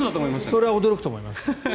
それは驚くと思います。